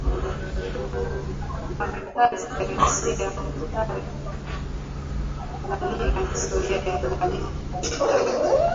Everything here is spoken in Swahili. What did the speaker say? mwamikazi theresia ntare toka heru na lina historia ya kuwashinda wangoni